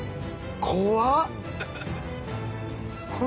怖っ！